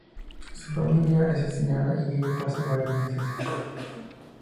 Su familia es asesinada, y ella pasa varios meses en coma.